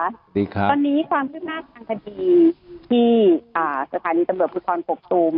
สวัสดีค่ะตอนนี้ความทึกหน้าทางคดีที่สถานีจำนวนผู้ชนปกตรูม